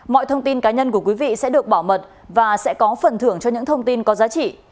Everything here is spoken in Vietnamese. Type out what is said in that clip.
mọi thông tin cá nhân của quý vị sẽ được bảo mật và sẽ có phần thưởng cho những thông tin có giá trị